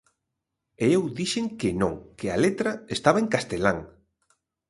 E eu dixen que non, que a letra estaba en castelán.